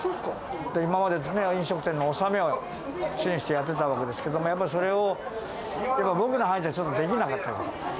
今まで飲食店の納めは支援してやってたわけですけど、やっぱそれを僕の代では、ちょっとできなかったから。